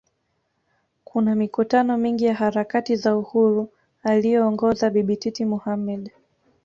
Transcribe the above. Kuna mikutano mingi ya harakati za Uhuru aliyoongoza Bibi Titi Mohammed